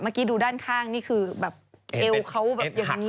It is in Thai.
เมื่อกี้ดูด้านข้างนี่คือแบบเอวเขาแบบอย่างนี้